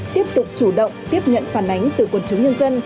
tiếp tục chủ động tiếp nhận phản ánh từ quần chúng nhân dân